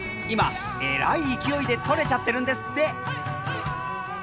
今えらい勢いでとれちゃってるんですって！